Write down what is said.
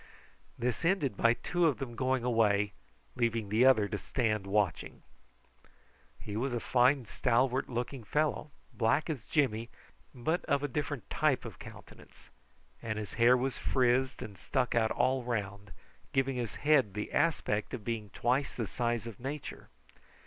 This ended by two of them going away, leaving the other to stand watching. He was a fine stalwart looking fellow, black as Jimmy, but of a different type of countenance, and his hair was frizzed and stuck out all round, giving his head the aspect of being twice the size of nature.